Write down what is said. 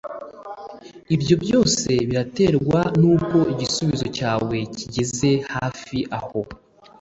ibyo byose biraterwa n’uko igisubizo cyawe kigeze hafi aho